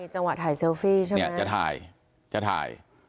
จังหวะถ่ายเซลฟี่ใช่ไหมเนี่ยจะถ่ายจะถ่าย